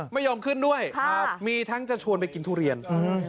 ไม่ยอมขึ้นด้วยครับมีทั้งจะชวนไปกินทุเรียนอืม